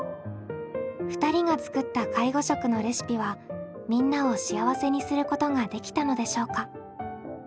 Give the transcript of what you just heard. ２人が作った介護食のレシピはみんなを幸せにすることができたのでしょうか？